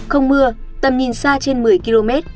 không mưa tầm nhìn xa trên một mươi km